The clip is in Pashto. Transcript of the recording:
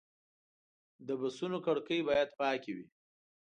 د بسونو کړکۍ باید پاکې وي.